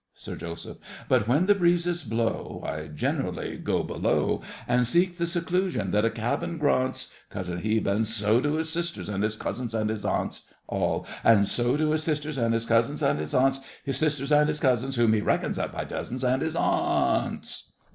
SIR JOSEPH. But when the breezes blow, I generally go below, And seek the seclusion that a cabin grants; COUSIN HEBE. And so do his sisters, and his cousins, and his aunts! ALL. And so do his sisters, and his cousins, and his aunts! His sisters and his cousins, Whom he reckons up by dozens, And his aunts!